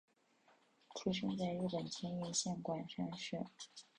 出生在日本千叶县馆山市。